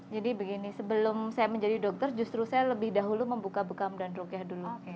jadi begini sebelum saya menjadi dokter justru saya lebih dahulu membuka bekam dan rukyah dulu